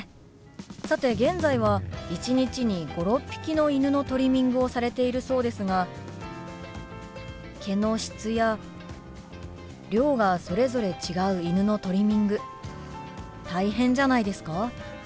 さて現在は一日に５６匹の犬のトリミングをされているそうですが毛の質や量がそれぞれ違う犬のトリミング大変じゃないですか？